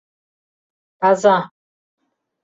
— Таза.